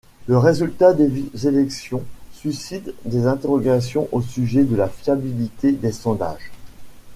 Le résultat des élections suscite des interrogations au sujet de la fiabilité des sondages.